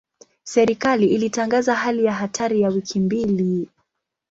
Serikali ilitangaza hali ya hatari ya wiki mbili.